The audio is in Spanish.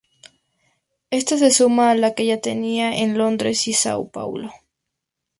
Esta se suma a la que ya tenía en Londres y Sao Paulo.